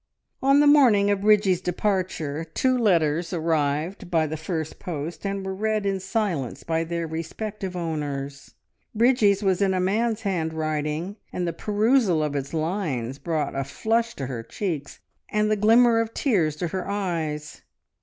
On the morning of Bridgie's departure two letters arrived by the first post, and were read in silence by their respective owners. Bridgie's was in a man's handwriting, and the perusal of its lines brought a flush to her cheeks and the glimmer of tears to her eyes.